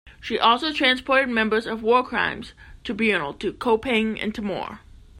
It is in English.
She also transported members of a war crimes tribunal to Koepang in Timor.